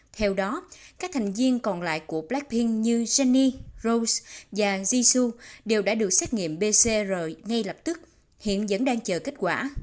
theo đó các thành viên còn lại của blackpink như jennie rose và jisoo đều đã được xét nghiệm pcr ngay lập tức hiện vẫn đang chờ kết quả